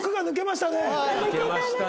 抜けましたね。